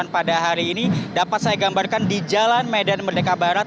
pada hari ini dapat saya gambarkan di jalan medan merdeka barat